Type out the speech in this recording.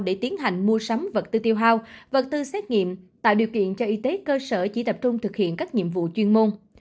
để tiến hành mua sắm vật tư tiêu hao vật tư xét nghiệm tạo điều kiện cho y tế cơ sở chỉ tập trung thực hiện các nhiệm vụ chuyên môn